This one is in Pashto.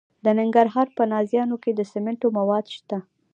د ننګرهار په نازیانو کې د سمنټو مواد شته.